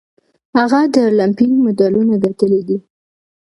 هغه د المپیک مډالونه ګټلي دي.